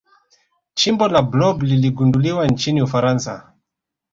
chimbo la blob liligunduliwa nchini ufaransa